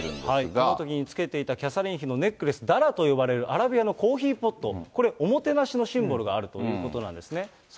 このときにつけていた、キャサリン妃のネックレス、ダラと呼ばれるアラビアのコーヒーポット、これ、おもてなしのシンボルがあるということなんですね。